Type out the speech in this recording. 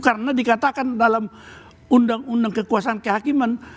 karena dikatakan dalam undang undang kekuasaan kehakiman